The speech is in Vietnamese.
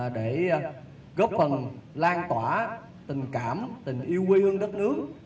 để góp phần lan tỏa tình cảm tình yêu quê hương đất nước